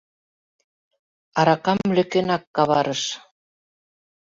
Аракам лӧкенак каварыш.